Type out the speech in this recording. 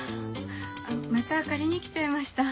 また借りに来ちゃいました。